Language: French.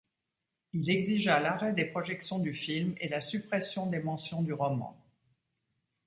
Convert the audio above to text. Il exigea l'arrêt des projections du film, et la suppression des mentions du roman.